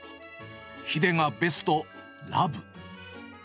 秀がベスト、ラブ。